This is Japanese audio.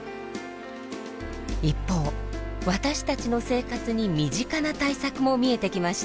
一方私たちの生活に身近な対策も見えてきました。